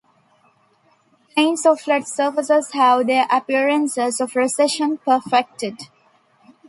Planes or flat surfaces have their appearances of recession perfected.